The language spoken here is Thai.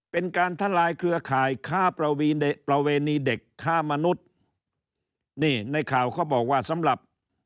เป็นการทะลายเครือข่ายค่าประเวณีเด็กฆ่ามนุษย์นี่ในข่าวเขาบอกว่าสำหรับ